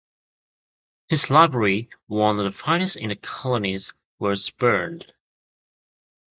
His library, one of the finest in the colonies, was burned.